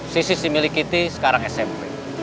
si si si milik kita sekarang smp